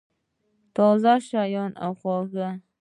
تازه شیان او خواږه